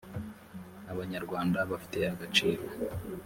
abanyarwanda bafite agaciro.